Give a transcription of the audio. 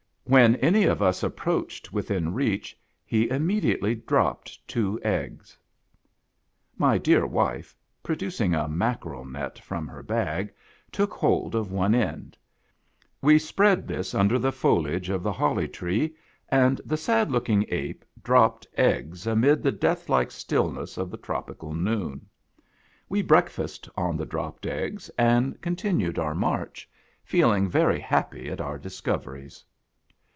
When any of us approached within reach, he imme diately dropped two eggs. My dear wife, producing a mackerel net from her bag, took hold of one end. We spread this under the foliage of the Holly Tree, and the sad looking ape dropped eggs amid the death like stillness of the tropical noon. We breakfasted on the dropped eggs, and continued our march, feeling very happy at our discoveries.